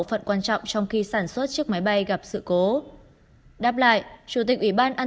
máy bay này quan trọng trong khi sản xuất chiếc máy bay gặp sự cố đáp lại chủ tịch ủy ban an